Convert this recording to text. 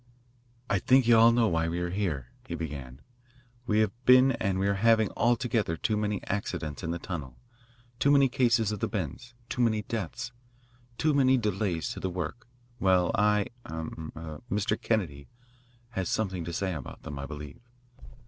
"I think you all know why we are here," he began. "We have been and are having altogether too many accidents in the tunnel, too many cases of the bends, too many deaths, too many delays to the work. Well er I er Mr. Kennedy has something to say about them, I believe."